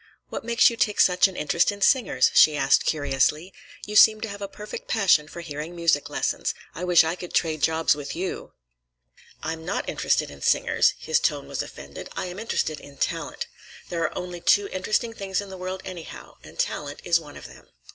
"What makes you take such an interest in singers?" she asked curiously. "You seem to have a perfect passion for hearing music lessons. I wish I could trade jobs with you!" "I'm not interested in singers." His tone was offended. "I am interested in talent. There are only two interesting things in the world, anyhow; and talent is one of them."